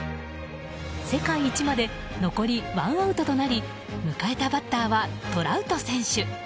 世界一まで残りワンアウトとなり迎えたバッターはトラウト選手。